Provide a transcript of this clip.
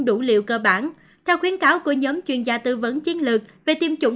đủ liều cơ bản theo khuyến cáo của nhóm chuyên gia tư vấn chiến lược về tiêm chủng